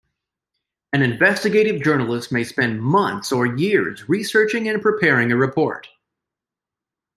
An investigative journalist may spend months or years researching and preparing a report.